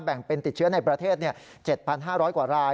แบ่งเป็นติดเชื้อในประเทศ๗๕๐๐กว่าราย